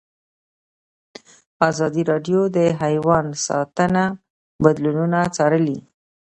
ازادي راډیو د حیوان ساتنه بدلونونه څارلي.